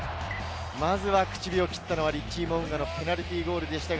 まずは口火を切ったのはリッチー・モウンガのペナルティーゴールでした。